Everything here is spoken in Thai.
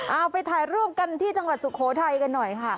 เอาไปถ่ายรูปกันที่จังหวัดสุโขทัยกันหน่อยค่ะ